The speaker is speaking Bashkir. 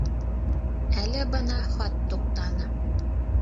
Әле бына хат туҡтаны.